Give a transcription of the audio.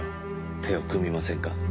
手を組みませんか？